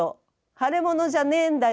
腫れ物じゃねえんだよ